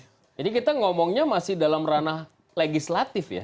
jadi kita ngomongnya masih dalam ranah legislatif ya